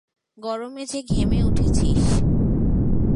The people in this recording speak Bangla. গরমে যে ঘেমে উঠেছিস?